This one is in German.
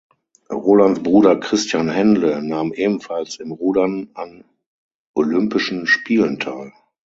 Rolands Bruder Christian Händle nahm ebenfalls im Rudern an Olympischen Spielen teil.